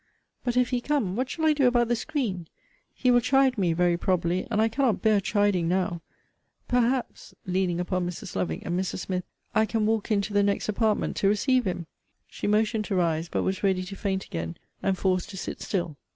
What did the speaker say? But if he come, what shall I do about the screen? He will chide me, very probably, and I cannot bear chiding now. Perhaps, [leaning upon Mrs. Lovick and Mrs. Smith,] I can walk into the next apartment to receive him. She motioned to rise, but was ready to faint again, and forced to sit still.